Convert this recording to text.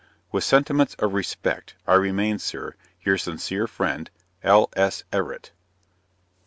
With sentiments of respect, I remain, sir, your sincere friend, L. S. EVERETT.